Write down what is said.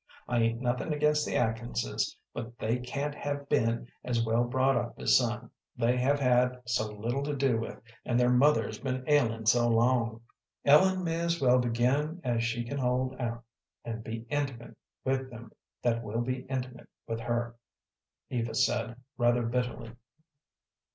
"I 'ain't nothin' against the Atkinses, but they can't have been as well brought up as some, they have had so little to do with, and their mother's been ailin' so long." "Ellen may as well begin as she can hold out, and be intimate with them that will be intimate with her," Eva said, rather bitterly.